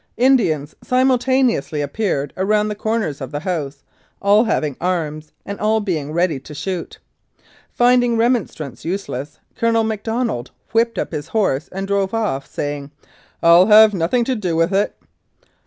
Indians simultaneously appeared around the corners of the house, all having arms, and all being ready to shoot. Finding remon strance useless, Colonel McDonald whipped up his horse and drove off, saying, "I'll have nothing to do with it."